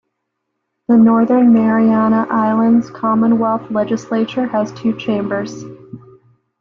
The Northern Mariana Islands Commonwealth Legislature has two chambers.